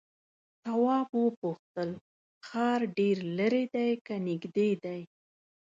تواب وپوښتل ښار ډېر ليرې دی که نږدې دی؟